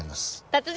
達人